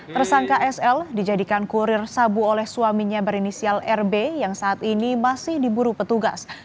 tersangka sl dijadikan kurir sabu oleh suaminya berinisial rb yang saat ini masih diburu petugas